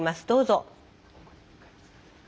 どうぞ。